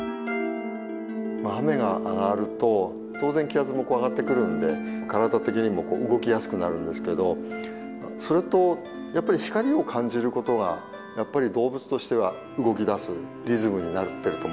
雨が上がると当然気圧も上がってくるので体的にも動きやすくなるんですけどそれとやっぱり光を感じることがやっぱり動物としては動き出すリズムになっていると思うんです。